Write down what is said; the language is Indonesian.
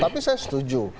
tapi saya setuju